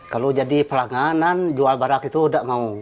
kalau jadi pelangganan jual barang itu udah mau